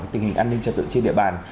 tình hình an ninh trật tự trên địa bàn